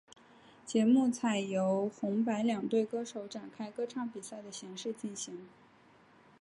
节目采由红白两队歌手展开歌唱比赛的形式进行。